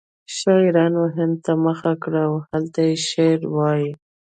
شاعرانو هند ته مخه کړه او هلته یې شعر وایه